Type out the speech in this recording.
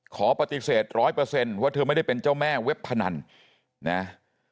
ขอปฏิเสธร้อยเปอร์เซ็นต์ว่าเธอไม่ได้เป็นเจ้าแม่เว็บพนันนะ